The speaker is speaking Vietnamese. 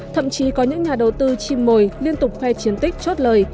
thậm chí có những nhà đầu tư chim mồi liên tục khoe chiến tích chốt lời